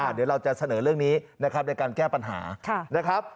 เดี๋ยวเราจะเสนอเรื่องนี้ในการแก้ปัญหา